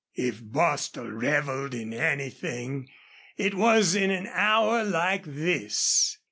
If Bostil reveled in anything it was in an hour like this.